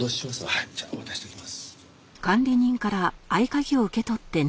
はいじゃあ渡しておきます。